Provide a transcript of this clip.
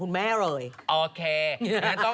ปล่อยให้เบลล่าว่าง